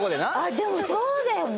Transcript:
でもそうだよね。